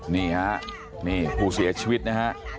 นี่ครับผู้เสียชีวิตนะครับ